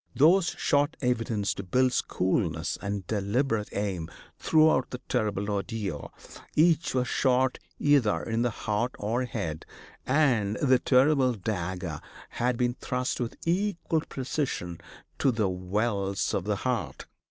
Those shot evidenced Bill's coolness and deliberate aim throughout the terrible ordeal; each was shot either in the heart or head, and the terrible dagger had been thrust with equal precision to the wells of the heart.